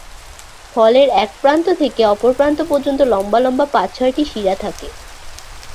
ফলের এক প্রান্ত থেকে অপর প্রান্ত পর্যন্ত লম্বা লম্বা পাঁচ-ছয়টি শিরা থাকে।